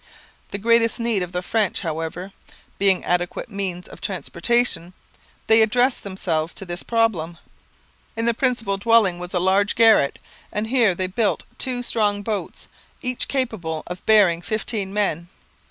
The greatest need of the French, however, being adequate means of transportation, they addressed themselves to this problem. In the principal dwelling was a large garret, and here they built two strong boats, each capable of bearing fifteen men.